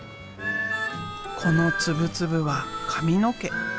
この粒々は髪の毛。